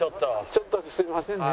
ちょっとすいませんね。